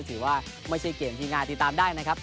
ถือว่าไม่ใช่เกมที่ง่ายติดตามได้นะครับ